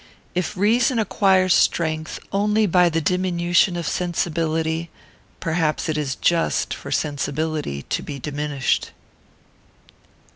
If reason acquires strength only by the diminution of sensibility, perhaps it is just for sensibility to be diminished.